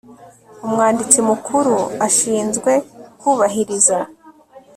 Umwanditsi Mukuru ashinzwe kubahiriza